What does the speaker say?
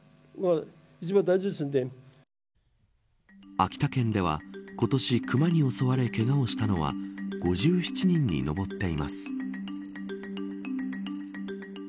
秋田県では、今年熊に襲われけがをしたのは５７人に上っています。